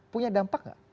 punya dampak nggak